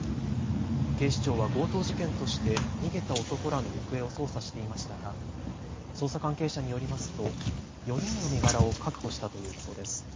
警視庁は強盗事件として逃げた男らの行方を捜査していましたが捜査関係者によりますと４人の身柄を確保したということです。